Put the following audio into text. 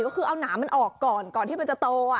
ก็คือเอาหนามันออกก่อนก่อนที่มันจะโต